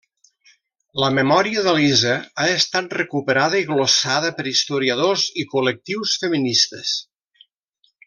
La memòria d'Elisa ha estat recuperada i glossada per historiadors i col·lectius feministes.